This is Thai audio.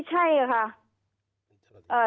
เจ้าหน้าที่แรงงานของไต้หวันบอก